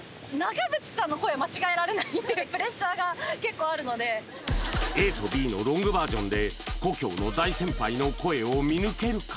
今えっ何でやねんＡとＢのロングバージョンで故郷の大先輩の声を見抜けるか？